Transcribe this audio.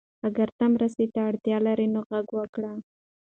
اگر ته مرستې ته اړتیا لرې نو غږ وکړه.